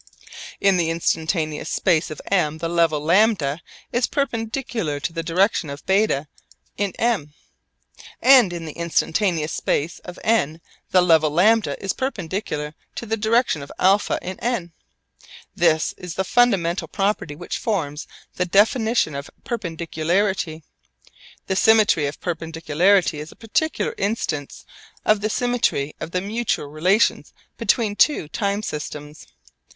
In the instantaneous space of M the level λ is perpendicular to the direction of β in M, and in the instantaneous space of N the level λ is perpendicular to the direction of α in N. This is the fundamental property which forms the definition of perpendicularity. The symmetry of perpendicularity is a particular instance of the symmetry of the mutual relations between two time systems.